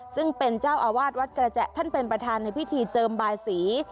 ซึ่งเป็นเจ้าอาวาสวัดกระแจท่านเป็นประธานในพิธีเจิมบายสี